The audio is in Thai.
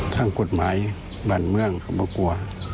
ทั้งกฎหมายบรรเมืองเขาไม่กลัว